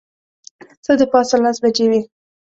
څه د پاسه لس بجې وې.